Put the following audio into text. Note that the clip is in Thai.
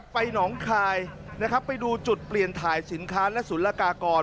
หนองคายนะครับไปดูจุดเปลี่ยนถ่ายสินค้าและศูนย์ละกากร